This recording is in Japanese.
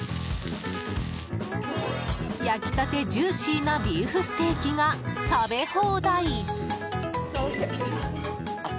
焼きたてジューシーなビーフステーキが食べ放題！